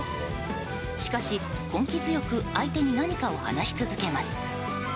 しかし、根気強く相手に何かを話し続けます。